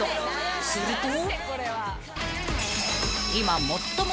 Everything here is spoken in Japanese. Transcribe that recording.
［すると］